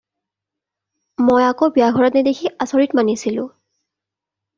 মই আকৌ বিয়া ঘৰত নেদেখি আচৰিত মানিছিলোঁ।